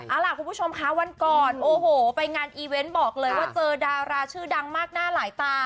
เอาล่ะคุณผู้ชมคะวันก่อนโอ้โหไปงานอีเวนต์บอกเลยว่าเจอดาราชื่อดังมากหน้าหลายตา